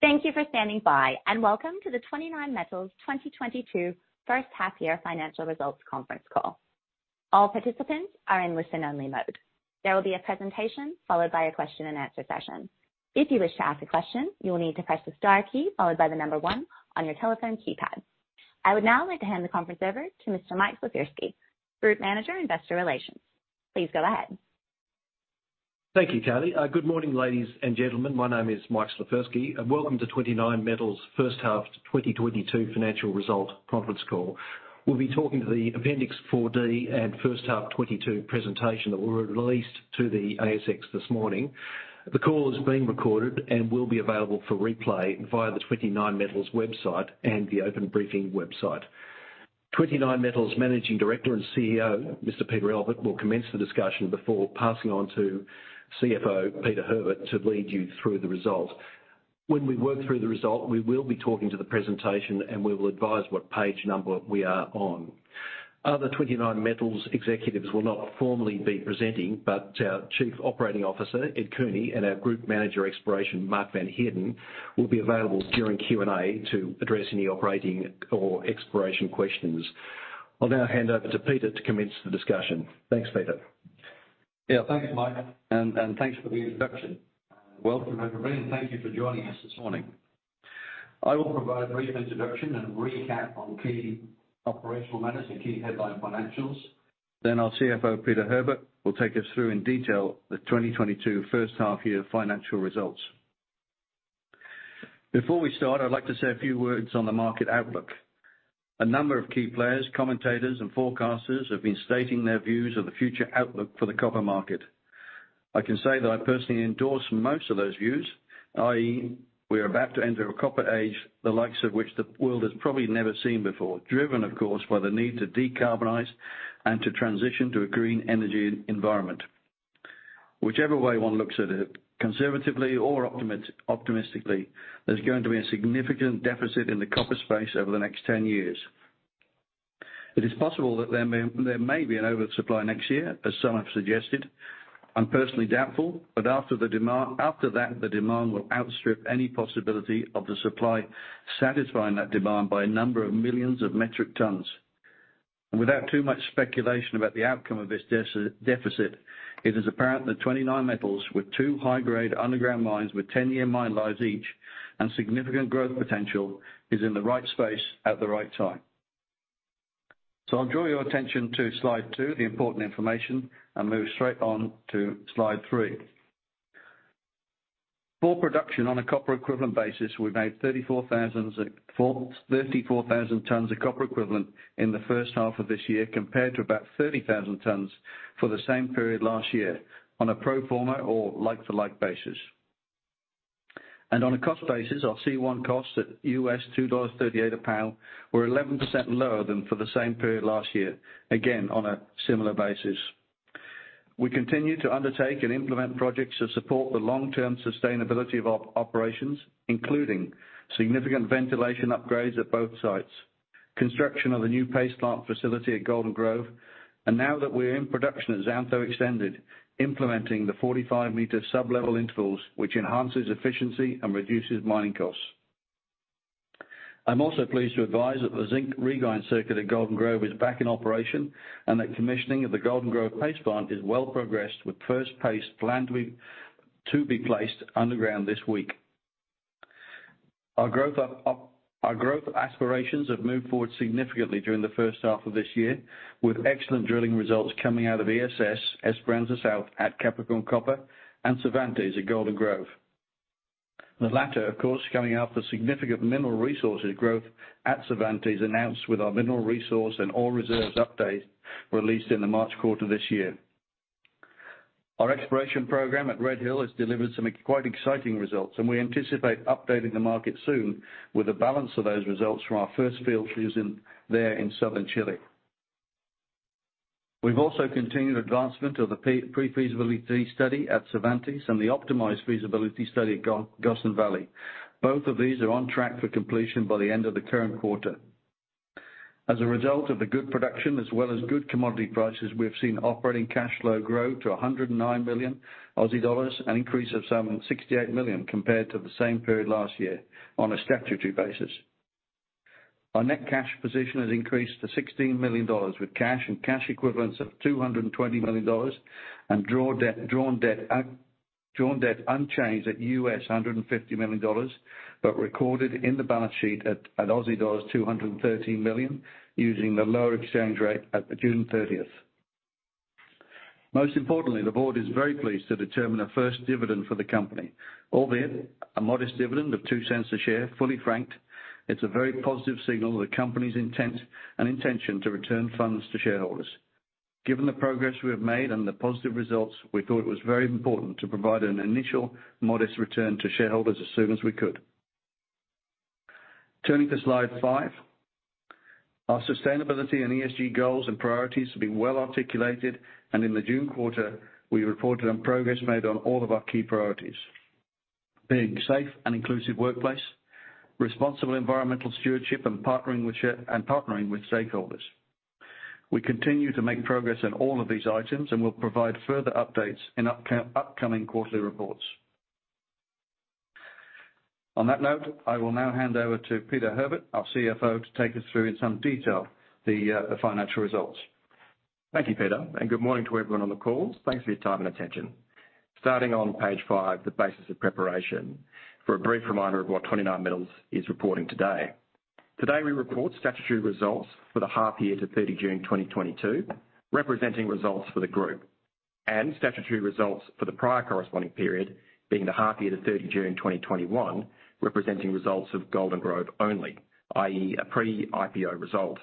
Thank you for standing by, and welcome to the 29Metals 2022 first half-year financial results Conference Call. All participants are in listen-only mode. There will be a presentation followed by a question-and-answer session. If you wish to ask a question, you will need to press the star key followed by the number 1 on your telephone keypad. I would now like to hand the conference over to Mr. Michael Slifirski, Group Manager, Investor Relations. Please go ahead. Thank you, Carly. Good morning, ladies and gentlemen. My name is Mike Slifirski, and welcome to 29Metals first half of 2022 financial result Conference Call. We'll be talking to the Appendix 4D and first half 2022 presentation that were released to the ASX this morning. The call is being recorded and will be available for replay via the 29Metals website and the Open Briefing website. 29Metals Managing Director and CEO, Mr. Peter Albert, will commence the discussion before passing on to CFO, Peter Herbert, to lead you through the results. When we work through the result, we will be talking to the presentation, and we will advise what page number we are on. Other 29Metals executives will not formally be presenting, but our Chief Operating Officer, Ed Cooney, and our Group Manager, Exploration, Mark van Heerden, will be available during Q&A to address any operating or exploration questions. I'll now hand over to Peter to commence the discussion. Thanks, Peter. Yeah, thanks, Mike. Thanks for the introduction. Welcome, everybody, and thank you for joining us this morning. I will provide a brief introduction and recap on key operational matters and key headline financials. Our CFO, Peter Herbert, will take us through in detail the 2022 first half-year financial results. Before we start, I'd like to say a few words on the market outlook. A number of key players, commentators, and forecasters have been stating their views of the future outlook for the copper market. I can say that I personally endorse most of those views, i.e., we are about to enter a copper age, the likes of which the world has probably never seen before, driven, of course, by the need to decarbonize and to transition to a green energy environment. Whichever way one looks at it, conservatively or optimistically, there's going to be a significant deficit in the copper space over the next 10-years. It is possible that there may be an oversupply next year, as some have suggested. I'm personally doubtful, but after that, the demand will outstrip any possibility of the supply satisfying that demand by a number of millions of metric tons. Without too much speculation about the outcome of this deficit, it is apparent that 29Metals, with two high-grade underground mines with 10-year mine lives each and significant growth potential, is in the right space at the right time. I'll draw your attention to slide 2, the important information, and move straight on to slide 3. For production on a copper equivalent basis, we made 34,000 tons of copper equivalent in the first half of this year compared to about 30,000 tons for the same period last year on a pro forma or like-for-like basis. On a cost basis, our C1 costs at $2.38 a pound were 11% lower than for the same period last year, again, on a similar basis. We continue to undertake and implement projects to support the long-term sustainability of operations, including significant ventilation upgrades at both sites, construction of a new paste plant facility at Golden Grove, and now that we're in production at Xantho Extended, implementing the 45-meter sublevel intervals, which enhances efficiency and reduces mining costs. I'm also pleased to advise that the zinc regrind circuit at Golden Grove is back in operation, and that commissioning of the Golden Grove paste plant is well-progressed with first paste planned to be placed underground this week. Our growth aspirations have moved forward significantly during the first half of this year, with excellent drilling results coming out of ESS, Esperanza South, at Capricorn Copper, and Cervantes at Golden Grove. The latter, of course, coming off the significant Mineral Resources growth at Cervantes announced with our Mineral Resource and Ore Reserves update released in the March quarter this year. Our exploration program at Red Hill has delivered some quite exciting results, and we anticipate updating the market soon with a balance of those results from our first field season there in southern Chile. We've also continued advancement of the pre-feasibility study at Cervantes and the optimized feasibility study at Gossan Valley. Both of these are on track for completion by the end of the current quarter. As a result of the good production as well as good commodity prices, we have seen operating cash flow grow to 109 million Aussie dollars, an increase of some 68 million compared to the same period last year on a statutory basis. Our net cash position has increased to 16 million dollars, with cash and cash equivalents of 220 million dollars, and drawn debt unchanged at $150 million, but recorded in the balance sheet at Aussie dollars 213 million, using the lower exchange rate at June thirtieth. Most importantly, the board is very pleased to determine a first dividend for the company. Albeit a modest dividend of 0.02 a share, fully franked, it's a very positive signal of the company's intent and intention to return funds to shareholders. Given the progress we have made and the positive results, we thought it was very important to provide an initial modest return to shareholders as soon as we could. Turning to slide 5. Our sustainability and ESG goals and priorities have been well-articulated, and in the June quarter, we reported on progress made on all of our key priorities. Being safe and inclusive workplace, responsible environmental stewardship, and partnering with stakeholders. We continue to make progress on all of these items, and we'll provide further updates in upcoming quarterly reports. On that note, I will now hand over to Peter Herbert, our CFO, to take us through in some detail the financial results. Thank you, Peter, and good morning to everyone on the call. Thanks for your time and attention. Starting on page 5, the basis of preparation. For a brief reminder of what 29Metals is reporting today. Today, we report statutory results for the half-year to 30 June 2022, representing results for the group, and statutory results for the prior corresponding period, being the half-year to 30 June 2021, representing results of Golden Grove only, i.e. a pre-IPO result.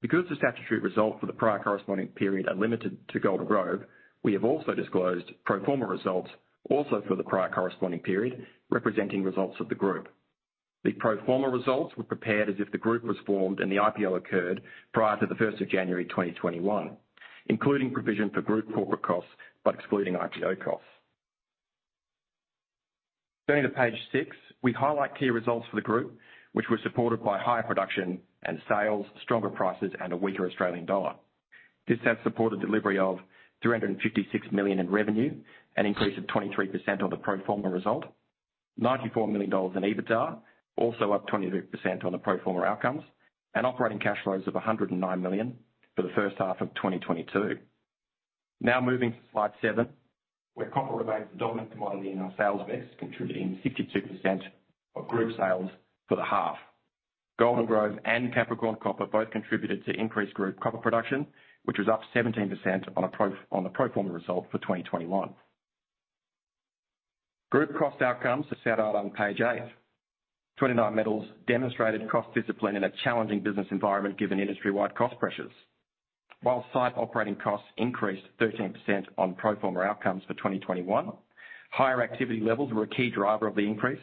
Because the statutory result for the prior corresponding period are limited to Golden Grove, we have also disclosed pro forma results also for the prior corresponding period, representing results of the group. The pro forma results were prepared as if the group was formed and the IPO occurred prior to 1 January 2021, including provision for group corporate costs, but excluding IPO costs. Turning to page six, we highlight key results for the group, which were supported by higher-production and sales, stronger prices, and a weaker Australian dollar. This has supported delivery of 356 million in revenue, an increase of 23% on the pro forma result. 94 million dollars in EBITDA, also up 23% on the pro forma outcomes, and operating cash flows of 109 million for the first half of 2022. Now moving to slide seven, where copper remains the dominant commodity in our sales mix, contributing 62% of group sales for the half. Golden Grove and Capricorn Copper both contributed to increased group copper production, which was up 17% on the pro forma result for 2021. Group cost outcomes are set out on page eight. 29Metals demonstrated cost discipline in a challenging business environment given industry-wide cost pressures. While site operating costs increased 13% on pro forma outcomes for 2021, highe- activity levels were a key driver of the increase,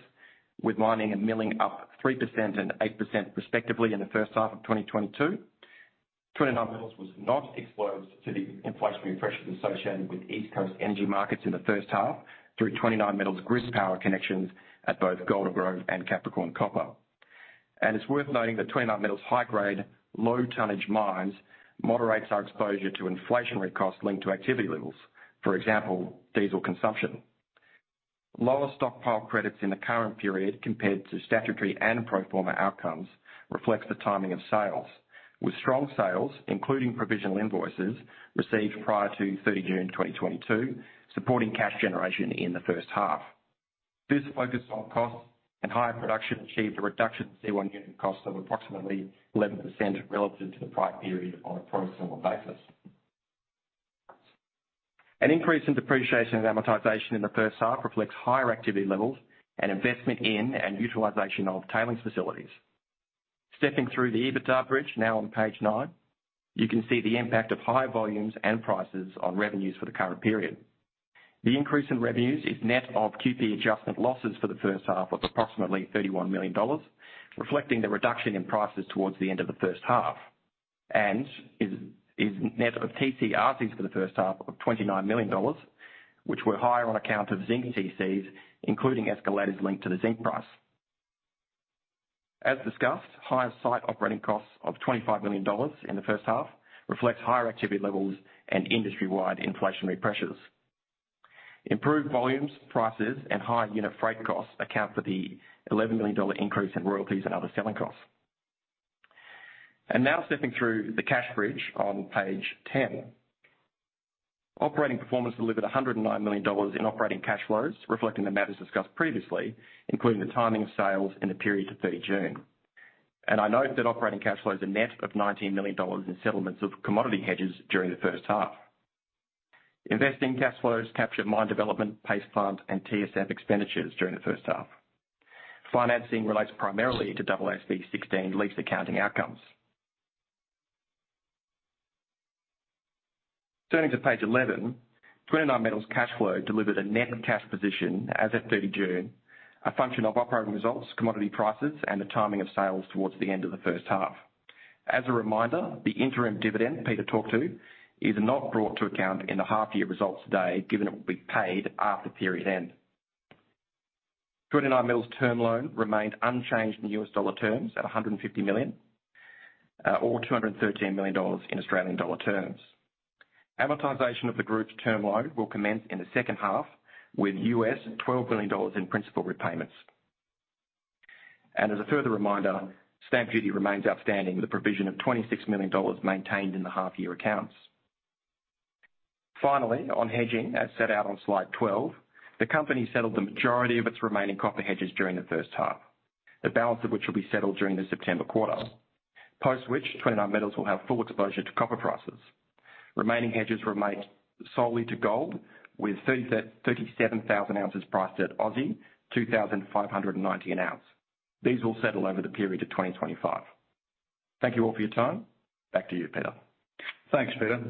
with mining and milling up 3% and 8% respectively in the first half of 2022. 29Metals was not exposed to the inflationary pressures associated with East Coast energy markets in the first half through 29Metals grid power connections at both Golden Grove and Capricorn Copper. It's worth noting that 29Metals high-grade, low-tonnage mines moderates our exposure to inflationary costs linked to activity levels, for example, diesel consumption. Lower stockpile credits in the current period compared to statutory and pro forma outcomes reflects the timing of sales, with strong sales, including provisional invoices, received prior to 30 June 2022, supporting cash generation in the first half. This focus on costs and higher-production achieved a reduction in C1 unit costs of approximately 11% relative to the prior period on a pro forma basis. An increase in depreciation and amortization in the first half reflects higher-activity levels and investment in and utilization of tailings facilities. Stepping through the EBITDA bridge now on page 9, you can see the impact of higher-volumes and prices on revenues for the current period. The increase in revenues is net of QP adjustment losses for the first half of approximately 31 million dollars, reflecting the reduction in prices towards the end of the first half, and is net of TCRCs for the first half of 29 million dollars, which were higher on account of zinc TCs, including escalators linked to the zinc price. As discussed, higher-site operating costs of 25 million dollars in the first half reflects higher-activity levels and industry-wide inflationary pressures. Improved volumes, prices, and higher-unit freight costs account for the 11 million dollar increase in royalties and other selling costs. Now stepping through the cash bridge on page 10. Operating performance delivered 109 million dollars in operating cash flows, reflecting the matters discussed previously, including the timing of sales in the period to 30 June. I note that operating cash flows are net of 19 million dollars in settlements of commodity hedges during the first half. Investing cash flows captured mine development, paste plant, and TSF expenditures during the first half. Financing relates primarily to AASB 16 lease accounting outcomes. Turning to page 11, 29Metals cash flow delivered a net cash position as at June 30, a function of operating results, commodity prices, and the timing of sales towards the end of the first half. As a reminder, the interim dividend Peter talked to is not brought to account in the half-year results today, given it will be paid after period end. 29Metals term loan remained unchanged in US dollar terms at $150 million, or 213 million dollars in Australian dollar terms. Amortization of the group's term loan will commence in the second half with $12 million in principal repayments. As a further reminder, stamp duty remains outstanding with a provision of 26 million dollars maintained in the half-year accounts. Finally, on hedging, as set out on slide 12, the company settled the majority of its remaining copper hedges during the first half, the balance of which will be settled during the September quarter. Post which, 29Metals will have full exposure to copper prices. Remaining hedges remain solely to gold with 37,000 ounces priced at 2,590 an ounce. These will settle over the period of 2025. Thank you all for your time. Back to you, Peter. Thanks, Peter.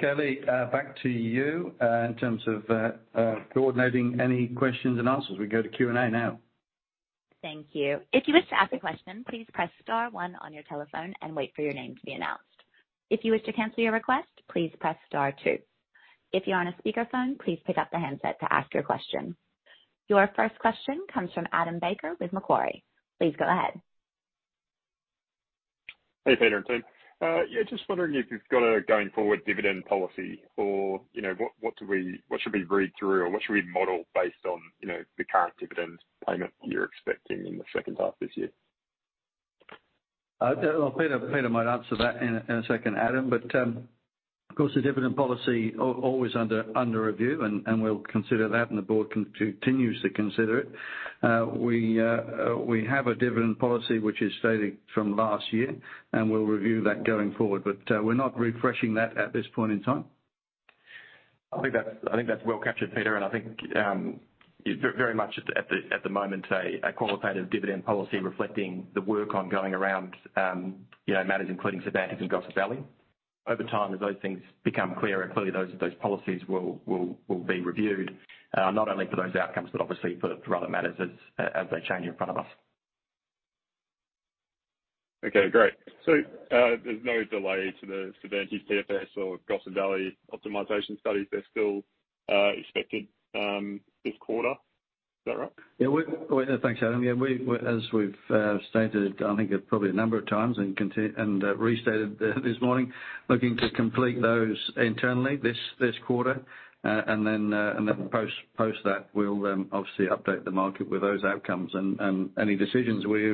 Kelly, back to you, in terms of coordinating any questions and answers. We go to Q&A now. Thank you. If you wish to ask a question, please press star one on your telephone and wait for your name to be announced. If you wish to cancel your request, please press star two. If you're on a speakerphone, please pick up the handset to ask your question. Your first question comes from Adam Baker with Macquarie. Please go ahead. Hey, Peter and team. Yeah, just wondering if you've got a going forward dividend policy or, you know, what should we read through or what should we model based on, you know, the current dividend payment you're expecting in the second half this year? Well, Peter might answer that in a second, Adam, but of course, the dividend policy always under review, and we'll consider that, and the board continues to consider it. We have a dividend policy which is stated from last year, and we'll review that going forward. We're not refreshing that at this point in time. I think that's well-captured, Peter, and I think very much at the moment a qualitative dividend policy reflecting the work ongoing around, you know, matters including Cervantes and Gossan Valley. Over time, as those things become clear, and clearly those policies will be reviewed, not only for those outcomes, but for other matters as they change in front of us. Okay, great. There's no delay to the Cervantes PFS or Gossan Valley optimization studies. They're still expected this quarter? Is that right? Well, yeah, thanks, Adam. As we've stated, I think probably a number of times and restated this morning, looking to complete those internally this quarter. And then post that, we'll update the market with those outcomes and any decisions we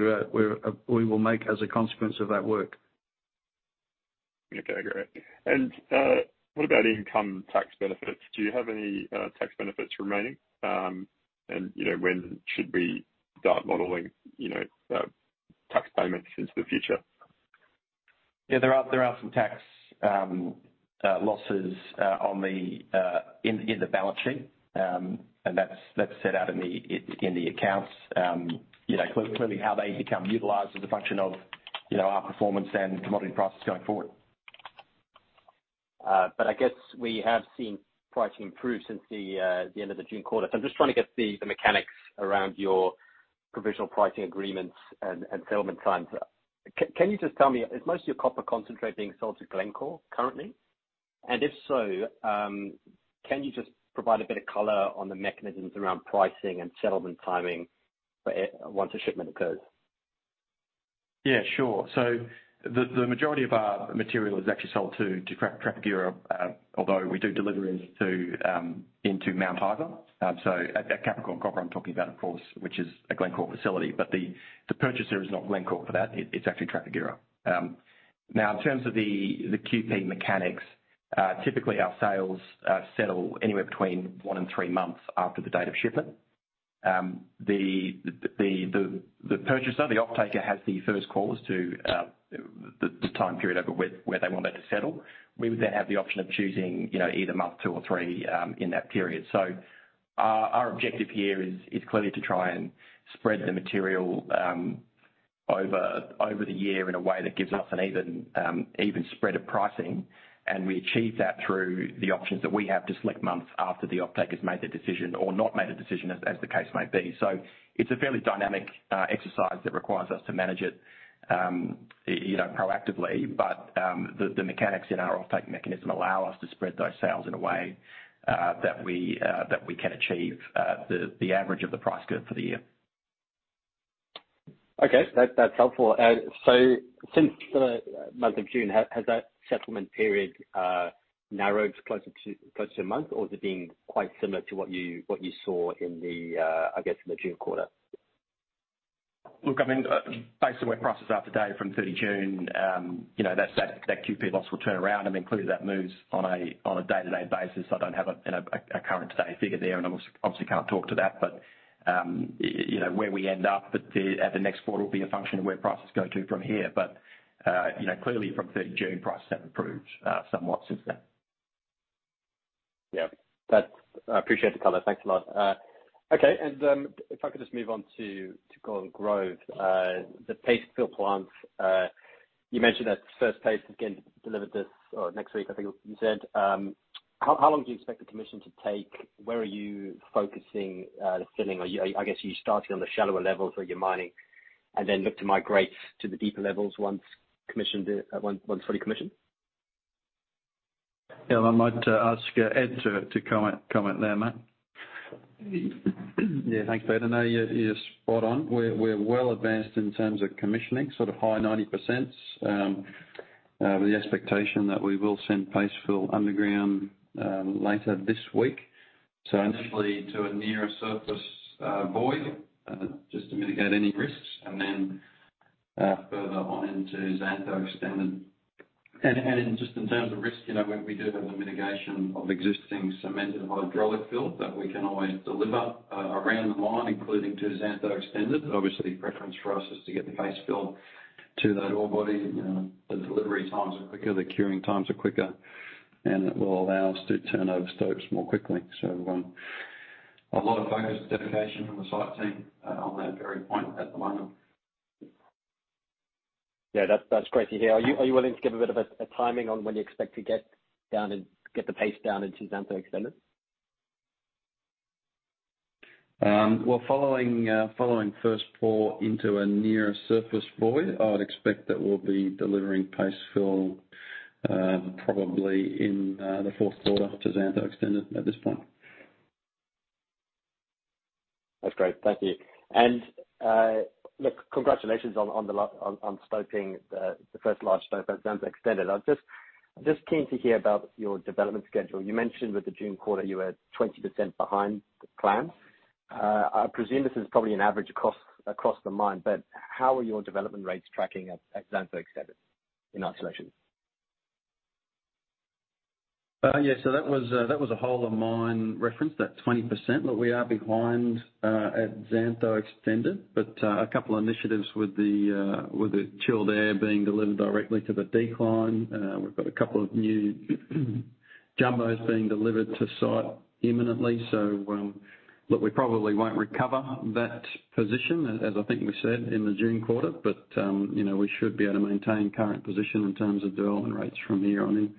will make as a consequence of that work. Okay, great. What about income tax benefits? Do you have any tax benefits remaining? You know, when should we start modeling, you know, tax payments into the future? Yeah, there are some tax losses on the balance sheet. That's set out in the accounts. You know, clearly how they become utilized as a function of, you know, our performance and commodity prices going forward. We have seen pricing improve since the end of the June quarter. I'm just trying to get the mechanics around your provisional pricing agreements and settlement times. Can you just tell me, is most of your copper concentrate being sold to Glencore currently? If so, can you just provide a bit of color on the mechanisms around pricing and settlement timing once a shipment occurs? Yeah, sure. The majority of our material is actually sold to Trafigura, although we do deliver into Mount Isa. At Capricorn Copper, I'm talking about, of course, which is a Glencore facility, but the purchaser is not Glencore for that. It's actually Trafigura. Now in terms of the QP mechanics, typically our sales settle anywhere between one and three months after the date of shipment. The purchaser, the offtaker, has the first call as to the time period over where they want that to settle. We would then have the option of choosing, you know, either month two or three in that period. Our objective here is clearly to try and spread the material over the year in a way that gives us an even spread of pricing. We achieve that through the options that we have to select months after the offtake has made the decision or not made a decision, as the case may be. It's a fairly dynamic exercise that requires us to manage it, you know, proactively. The mechanics in our offtake mechanism allow us to spread those sales in a way that we can achieve the average of the price given for the year. Okay. That's helpful. Since the month of June, has that settlement period narrowed closer to a month or is it being quite similar to what you saw in the June quarter? Look, I mean, based on where prices are today from 30 June, you know, that QP loss will turn around. I mean, clearly that moves on a day-to-day basis. I don't have, you know, a current today figure there and can't talk to that. You know, where we end up at the next quarter will be a function of where prices go to from here. You know, clearly from 30 June, prices have improved somewhat since then. Yeah. That's I appreciate the color. Thanks a lot. Okay. If I could just move on to Golden Grove. The paste fill plants, you mentioned that first paste is getting delivered this, or next week, I think you said. How long do you expect the commission to take? Where are you focusing the filling? You started on the shallower levels where you're mining and then look to migrate to the deeper levels once commissioned, once fully commissioned. Yeah, I might ask Ed to comment there, Matt. Yeah. Thanks, Peter. No, you're spot on. We're well-advanced in terms of commissioning, sort of high 90%, with the expectation that we will send paste fill underground later this week. Initially to a nearer surface void, just to mitigate any risks, and then further on into Xantho Extended. Just in terms of risk, you know, we do have the mitigation of existing cemented hydraulic fill that we can always deliver around the mine, including to Xantho Extended. Preference for us is to get the paste fill to that ore body. You know, the delivery times are quicker, the curing times are quicker, and it will allow us to turn over stopes more quickly. A lot of focus and dedication from the site team on that very point at the moment. Yeah, that's great to hear. Are you willing to give a bit of a timing on when you expect to get down and get the paste down into Xantho Extended? Well, following first pour into a nearer surface void, I would expect that we'll be delivering paste fill, probably in the fourth quarter to Xantho Extended at this point. That's great. Thank you. Look, congratulations on scoping the first large scope at Xantho Extended. I'm just keen to hear about your development schedule. You mentioned with the June quarter you were 20% behind plan. I presume this is probably an average across the mine, but how are your development rates tracking at Xantho Extended in isolation? Yeah, that was a whole of mine reference, that 20% that we are behind at Xantho Extended. A couple of initiatives with the chilled air being delivered directly to the decline. We've got a couple of new jumbos being delivered to site imminently. Look, we probably won't recover that position, as I think we said in the June quarter, but you know, we should be able to maintain current position in terms of development rates from here on in.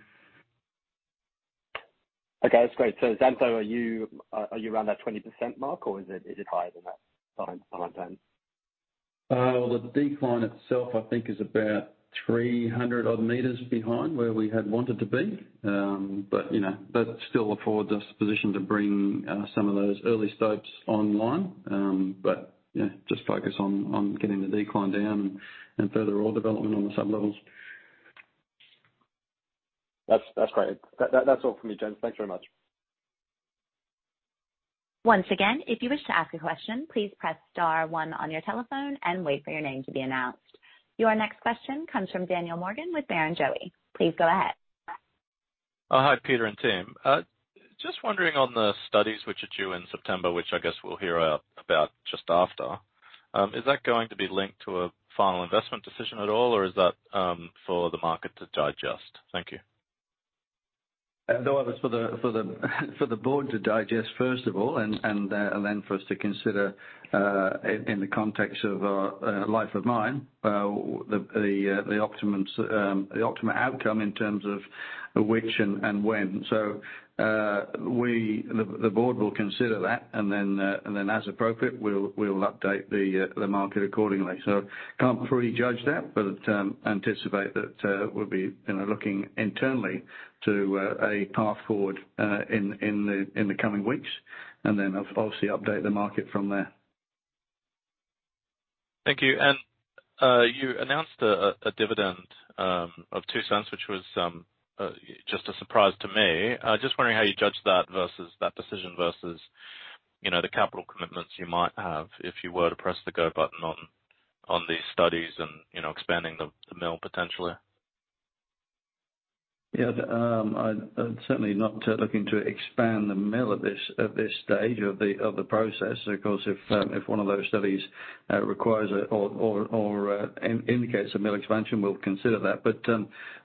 Okay, that's great. Xantho, are you around that 20% mark or is it higher than that, behind time? Well, the decline itself, I think is about 300-odd meters behind where we had wanted to be. You know, that still affords us position to bring some of those early stopes online. Yeah, just focus on getting the decline down and further ore development on the sub-levels. That's great. That's all for me, gents. Thanks very much. Once again, if you wish to ask a question, please press star one on your telephone and wait for your name to be announced. Your next question comes from Daniel Morgan with Barrenjoey. Please go ahead. Oh, hi, Peter and team. Just wondering on the studies which are due in September, which we'll hear about just after, is that going to be linked to a final investment decision at all, or is that for the market to digest? Thank you. No, it was for the board to digest, first of all, and then for us to consider, in the context of life of mine, the optimum outcome in terms of which and when. The board will consider that, and then as appropriate, we'll update the market accordingly. Can't pre-judge that, but anticipate that we'll be, you know, looking internally to a path forward in the coming weeks, and then update the market from there. Thank you. You announced a dividend of 0.02, which was just a surprise to me. I was just wondering how you judge that versus that decision versus, you know, the capital commitments you might have if you were to press the go button on these studies and, you know, expanding the mill potentially. Yeah. I'm certainly not looking to expand the mill at this stage of the process. Of course, if one of those studies requires or indicates a mill expansion, we'll consider that.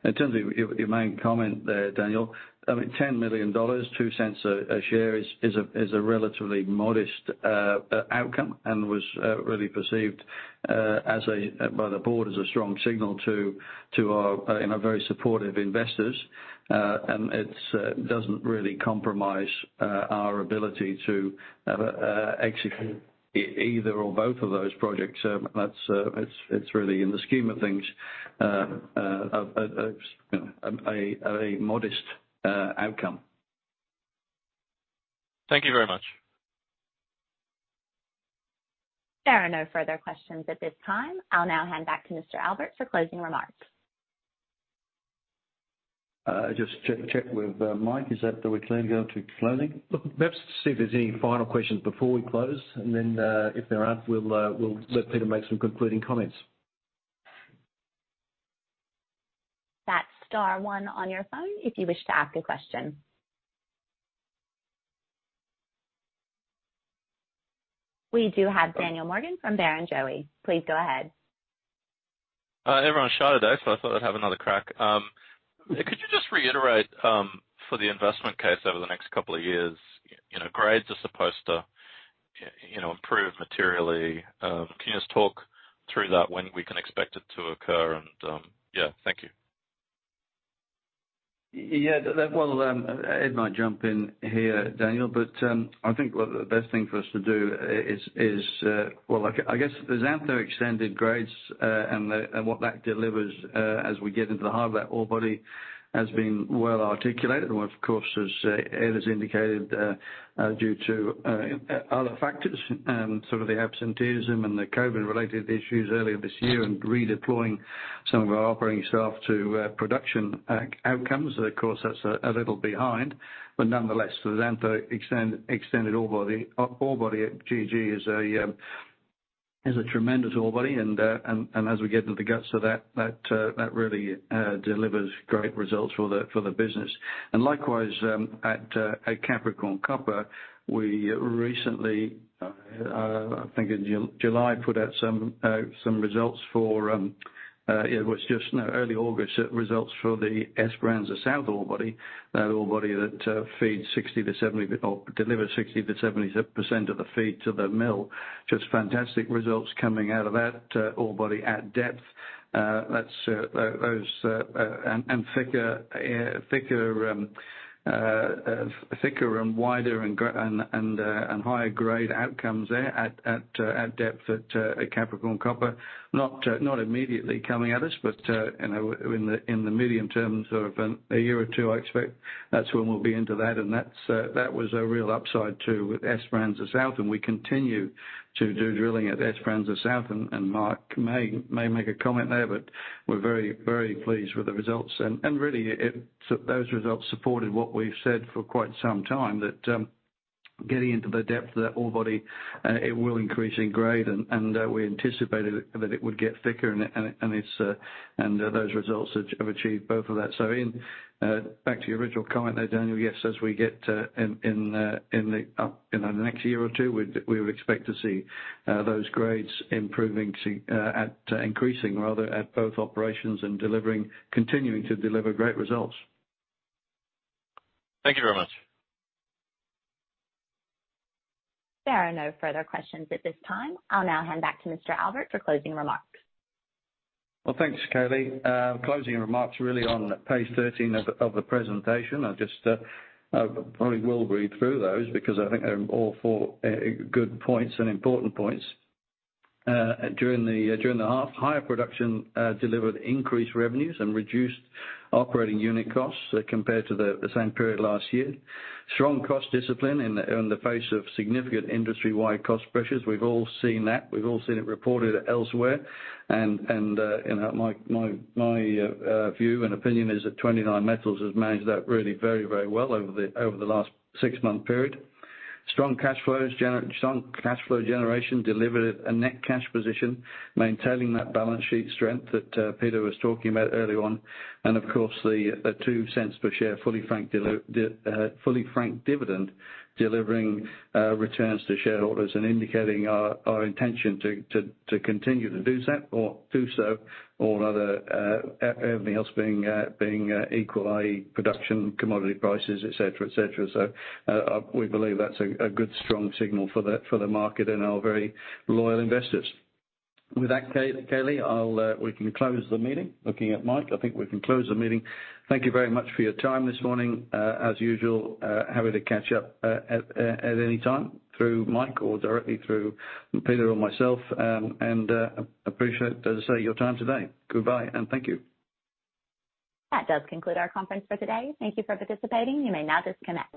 In terms of your main comment there, Daniel, I mean, 10 million dollars, 0.02 a share is a relatively modest outcome and was really perceived by the board as a strong signal to our very supportive investors. It doesn't really compromise our ability to execute either or both of those projects. That's it really in the scheme of things, you know, a modest outcome. Thank you very much. There are no further questions at this time. I'll now hand back to Mr. Albert for closing remarks. Just check with Mike. Are we clear to go to closing? Look, perhaps see if there's any final questions before we close. If there aren't, we'll let Peter make some concluding comments. That's star one on your phone if you wish to ask a question. We do have Daniel Morgan from Barrenjoey. Please go ahead. Everyone's shy today, so I thought I'd have another crack. Could you just reiterate for the investment case over the next couple of years, you know, grades are supposed to, you know, improve materially. Can you just talk through that, when we can expect it to occur? Yeah, thank you. Well, Ed might jump in here, Daniel, but I think what the best thing for us to do is, well, the Xantho Extended grades and what that delivers as we get into the heart of that ore body has been well-articulated. Of course, as Ed has indicated due to other factors and some of the absenteeism and the COVID-related issues earlier this year and redeploying some of our operating staff to production outcomes. That's a little behind, but nonetheless, the Xantho Extended ore body at GG is a tremendous ore body. As we get into the guts of that really delivers great results for the business. Likewise, at Capricorn Copper, we recently, I think in July, put out some results for, it was just early August, results for the Esperanza South ore body. That ore body that delivers 60%-70% of the feed to the mill. Just fantastic results coming out of that ore body at depth. That's thicker and wider and higher-grade outcomes there at depth at Capricorn Copper. Not immediately coming at us, but you know, in the medium term, sort of a year or two, I expect that's when we'll be into that. That was a real upside to Esperança South, and we continue to do drilling at Esperança South. Mark may make a comment there, but we're very pleased with the results. Really, those results supported what we've said for quite some time, that getting into the depth of that orebody it will increase in grade, and we anticipated that it would get thicker, and those results have achieved both of that. Going back to your original comment there, Daniel, yes, as we get into the next year or two, we would expect to see those grades improving to increasing rather at both operations and continuing to deliver great results. Thank you very much. There are no further questions at this time. I'll now hand back to Mr. Albert for closing remarks. Well, thanks, Kelly. Closing remarks really on page 13 of the presentation. I just probably will read through those because I think they're all four good points and important points. During the half, higher-production delivered increased revenues and reduced operating unit costs compared to the same period last year. Strong cost discipline in the face of significant industry-wide cost pressures. We've all seen that. We've all seen it reported elsewhere. My view and opinion is that 29Metals has managed that really very, very well over the last six-month period. Strong cash flow generation delivered a net cash position, maintaining that balance sheet strength that Peter was talking about earlier on. Of course, the 0.02 per share, fully franked dividend, delivering returns to shareholders and indicating our intention to continue to do that or do so otherwise, everything else being equal, i.e. production, commodity prices, et cetera, et cetera. We believe that's a good strong signal for the market and our very loyal investors. With that, Kaylee, we can close the meeting. Looking at Mike, I think we can close the meeting. Thank you very much for your time this morning. As usual, happy to catch up at any time through Mike or directly through Peter or myself. Appreciate, as I say, your time today. Goodbye and thank you. That does conclude our conference for today. Thank you for participating. You may now disconnect.